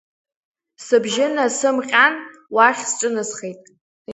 Сыбжьы насымҟьан, уахь сҿынасхеит.